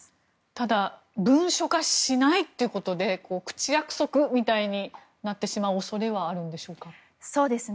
ただ、文書化はしないということで口約束みたいになってしまう恐れはないんでしょうか。